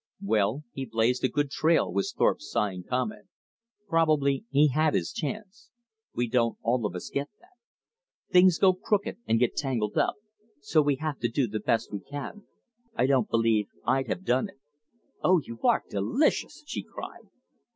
"Well, he blazed a good trail," was Thorpe's sighing comment. "Probably he had his chance. We don't all of us get that. Things go crooked and get tangled up, so we have to do the best we can. I don't believe I'd have done it." "Oh, you are delicious!" she cried.